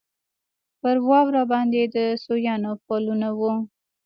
پر واوره باندې د سویانو پلونه وو.